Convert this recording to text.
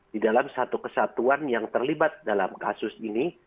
di dalam satu kesatuan yang terlibat dalam kasus ini